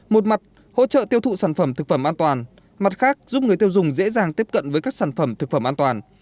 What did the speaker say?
một mặt hỗ trợ tiêu thụ sản phẩm thực phẩm an toàn mặt khác giúp người tiêu dùng dễ dàng tiếp cận với các sản phẩm thực phẩm an toàn